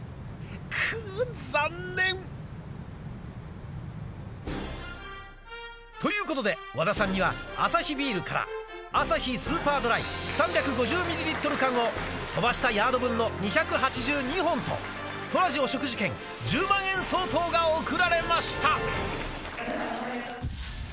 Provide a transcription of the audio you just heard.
くぅ残念！ということで和田さんにはアサヒビールからアサヒスーパードライ３５０ｍｌ缶を飛ばしたヤード分の２８２本とトラジお食事券１０万円相当が贈られました。